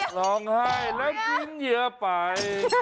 ร้องให้น้ำกินเหยื่อไป